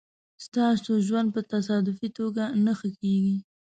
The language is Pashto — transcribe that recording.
ستاسو ژوند په تصادفي توګه نه ښه کېږي.